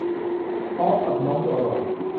พร้อมกับโน้มตัวลง